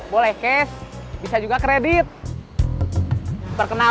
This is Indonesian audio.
sampai jumpa di video selanjutnya